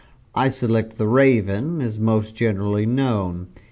I select 'The Raven' as most generally known.